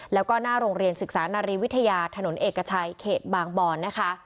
แล้วก็หน้าโรงเรียนศึกษานารีวิทยาถนนเอกชัยเขตบางบอนนะคะ